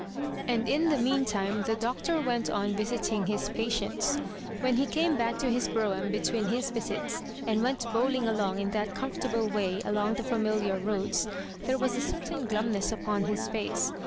And in the mean time the Doctor went on visiting his patients. When he came back to his brougham between his visits, and went bowling along in that comfortable way, along the familiar roads, there was a certain glumness upon his face.